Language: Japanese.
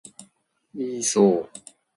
イーソー